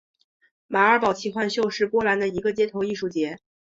马尔堡奇幻秀是波兰的一个街头艺术节。